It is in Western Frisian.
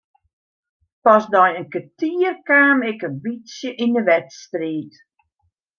Pas nei in kertier kaam ik in bytsje yn de wedstriid.